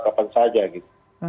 kapan saja gitu